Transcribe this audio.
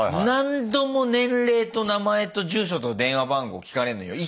何度も年齢と名前と住所と電話番号聞かれんのよ。